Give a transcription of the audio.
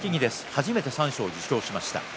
初めて三賞を受賞しました。